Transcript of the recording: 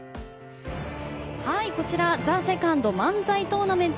こちら「ＴＨＥＳＥＣＯＮＤ漫才トーナメント」